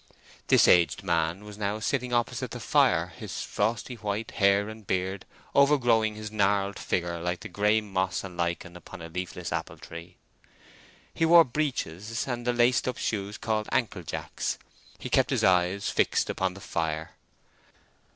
This aged man was now sitting opposite the fire, his frosty white hair and beard overgrowing his gnarled figure like the grey moss and lichen upon a leafless apple tree. He wore breeches and the laced up shoes called ankle jacks; he kept his eyes fixed upon the fire.